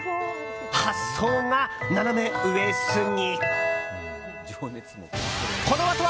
発想がナナメ上すぎ！